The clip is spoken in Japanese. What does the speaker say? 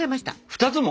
２つも？